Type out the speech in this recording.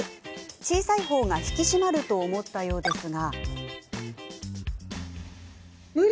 小さいほうが引き締まると思ったようですが。